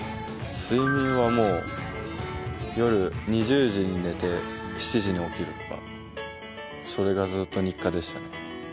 睡眠は夜２０時に寝て７時に起きるとかそれがずっと日課でした。